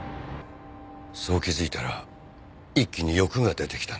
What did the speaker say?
そう気づいたら一気に欲が出てきたんです。